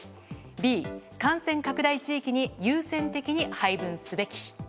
Ｂ、感染拡大地域に優先的に配分すべき。